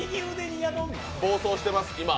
暴走してます、今。